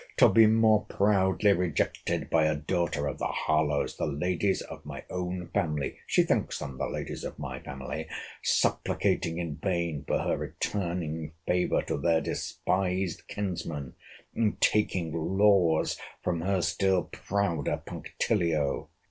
—To be more proudly rejected by a daughter of the Harlowes!—The ladies of my own family, [she thinks them the ladies of my family,] supplicating in vain for her returning favour to their despised kinsman, and taking laws from her still prouder punctilio!